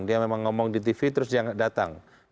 dia memang ngomong di tv terus dia nggak datang